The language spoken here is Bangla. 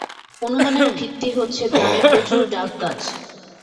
অনুমানের ভিত্তি হচ্ছে গ্রামে প্রচুর ডাব গাছ।